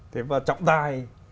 thế và trọng tài